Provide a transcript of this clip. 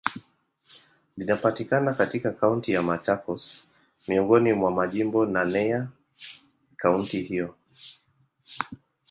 Linapatikana katika Kaunti ya Machakos, miongoni mwa majimbo naneya kaunti hiyo.